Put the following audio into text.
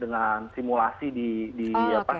dengan simulasi di sisi yang lain